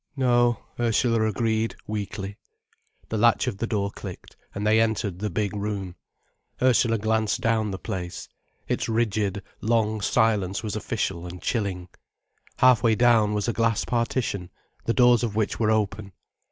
"No," Ursula agreed, weakly. The latch of the door clicked, and they entered the big room. Ursula glanced down the place. Its rigid, long silence was official and chilling. Half way down was a glass partition, the doors of which were open.